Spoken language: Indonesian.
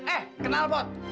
eh kenal pot